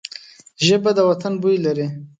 ژبه د وطن بوی لري